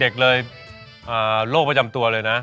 เด็กเลยโรคประจำตัวเลยนะ